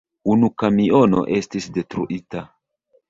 Unu kamiono estis detruita.